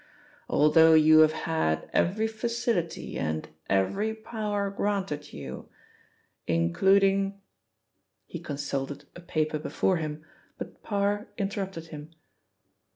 Although you have had every facility and every power granted you, including " he consulted a paper before him, but Parr interrupted him.